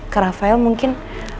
kak rafael mungkin